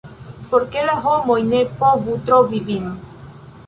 por ke la homoj ne povu trovi vin.